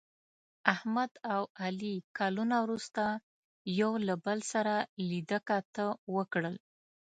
احمد او علي کلونه وروسته یو له بل سره لیده کاته وکړل.